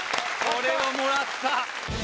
これはもらった。